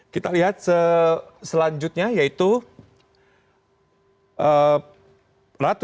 kita lihat selanjutnya yaitu